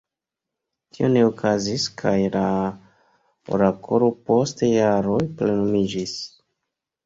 Tio ne okazis kaj la orakolo post jaroj plenumiĝis.